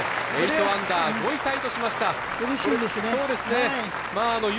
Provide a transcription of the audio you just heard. ８アンダー５位タイとしました。